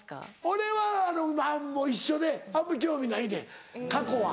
俺はもう一緒であんまり興味ないねん過去は。